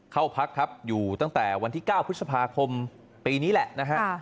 เข้าพักครับอยู่ตั้งแต่วันที่๙พฤษภาคมปีนี้แหละนะฮะ